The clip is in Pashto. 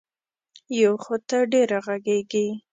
یو خو ته ډېره غږېږې.